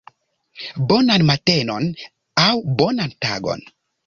Bonan matenon, aŭ bonan tagon